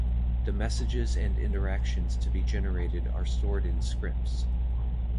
The messages and interactions to be generated are stored in scripts.